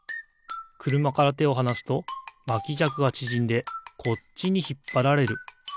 くるまからてをはなすとまきじゃくがちぢんでこっちにひっぱられる。